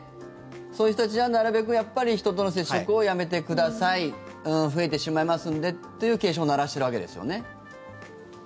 そういう人たちは、なるべく人との接触をやめてください増えてしまいますのでという警鐘を鳴らしているわけですね。